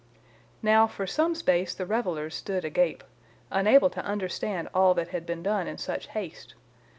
"Now, for some space the revellers stood agape, unable to understand all that had been done in such haste.